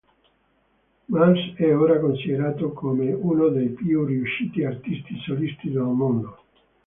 Mars è ora considerato come uno dei più riusciti artisti solisti del mondo.